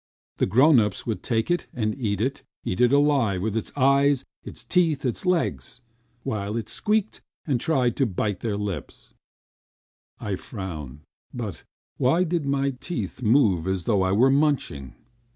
The grown ups would take it and eat it, eat it alive with its eyes, its teeth, its legs! While it squeaked and tried to bite their lips. ... I frowned, but ... but why did my teeth move as though I were munching?